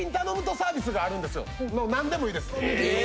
何でもいいです。え！